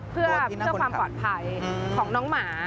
เพื่อความปลอดภัยของน้องหมา